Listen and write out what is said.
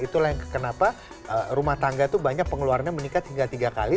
itulah yang kenapa rumah tangga itu banyak pengeluarannya meningkat hingga tiga kali